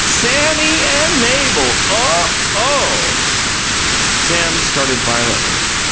"Sam my and May bul! OH, oh!" Sam started violently.